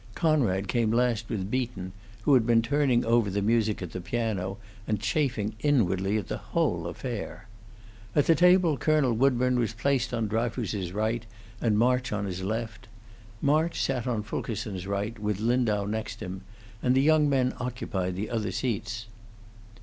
Conrad came last with Beaton, who had been turning over the music at the piano, and chafing inwardly at the whole affair. At the table Colonel Woodburn was placed on Dryfoos's right, and March on his left. March sat on Fulkerson's right, with Lindau next him; and the young men occupied the other seats.